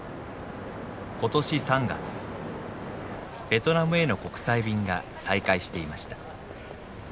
ベトナムへの国際便が再開していました。